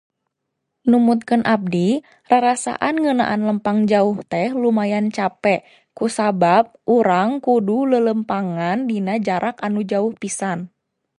Numutkeun abdi, rarasan ngeunaan leumpang jauh teh lumayan cape kusabab urang kudu leuleumpangan dina jarak anu jauh pisan.